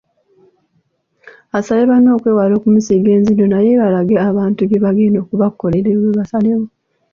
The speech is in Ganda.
Asabye banne okwewala okumusiiga enziro naye balage abantu bye bagenda okubakolera olwo bo basalewo.